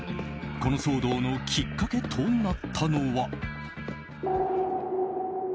この騒動のきっかけとなったのは。